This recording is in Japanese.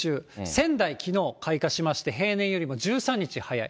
仙台、きのう開花しまして、平年よりも１３日早い。